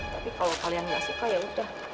tapi kalau kalian nggak suka ya udah